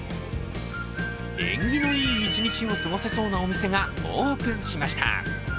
縁起のいい一日を過ごせそうなお店がオープンしました。